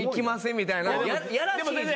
みたいなやらしい時間帯。